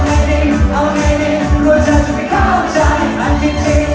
บอกบอกว่าเกรงใจไม่เอาและเกรงใจ